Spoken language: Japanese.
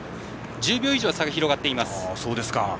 １０秒以上差が広がっています。